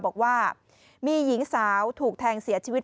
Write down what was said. บอกว่ามีหญิงสาวถูกแทงเสียชีวิต